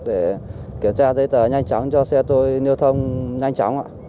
để kiểm tra dây tờ nhanh chóng cho xe tôi lưu thông nhanh chóng